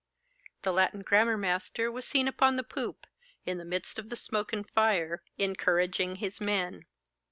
The Latin grammar master was seen upon the poop, in the midst of the smoke and fire, encouraging his men.